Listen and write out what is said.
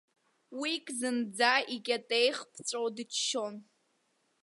Уик зынӡа икьатеиах ԥҵәо дыччон.